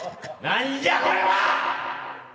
なんじゃこれは！